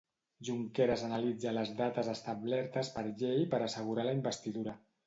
Junqueras analitza les dates establertes per llei per assegurar la investidura.